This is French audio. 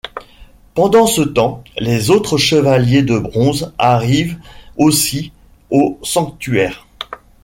Pendant ce temps, les autres Chevaliers de Bronze arrivent aussi au Sanctuaire.